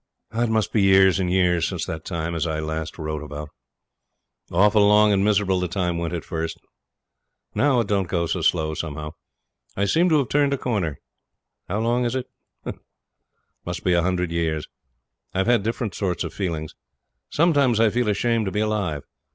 ..... It must be years and years since that time as I last wrote about. Awful long and miserable the time went at first; now it don't go so slow somehow. I seemed to have turned a corner. How long is it? It must be a hundred years. I have had different sorts of feelings. Sometimes I feel ashamed to be alive.